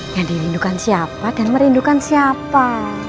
yang dirindukan siapa dan merindukan siapa